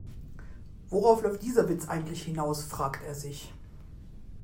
Worauf läuft dieser Witz eigentlich hinaus?, fragt er sich.